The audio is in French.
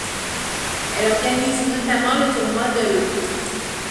Elle organise notamment le tournoi de l’.